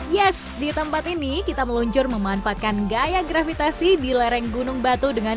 yes di tempat ini kita meluncur memanfaatkan gaya gravitasi di lereng gunung batu dengan